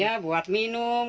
ya buat minum